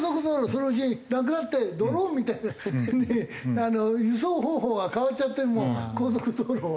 そのうちなくなってドローンみたいに輸送方法が変わっちゃってもう高速道路は。